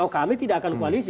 oh kami tidak akan koalisi